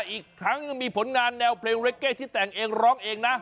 อีกทั้งยังมีผลงานแนวเพลงเล็กเก้ที่แต่งเองร้องเองนะ